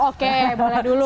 oke boleh dulu